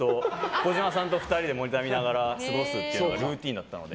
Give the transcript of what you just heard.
児嶋さんと２人でモニター見ながら過ごすというのがルーティンだったので。